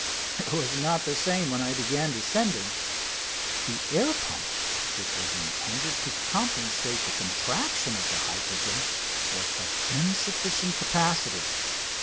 It was not the same when I began descending. The air pump, which was intended to compensate the contraction of the hydrogen, was of insufficient capacity.